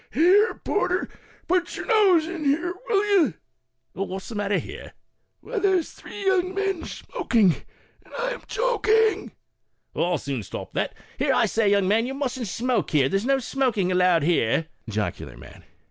"Here, porter, put your nose in. here, will you?" Porter. " What's the matter here?" Old Man. " Why, there's three young men smoking, and I'm choking." Porter, " I'll soon stop that. Here, I say, young man, you mustn't smoke here. There's no smoking allowed here." Jocular Man.